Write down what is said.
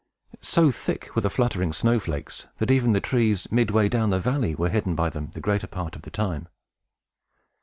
So thick were the fluttering snow flakes, that even the trees, midway down the valley, were hidden by them the greater part of the time.